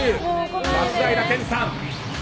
松平健さん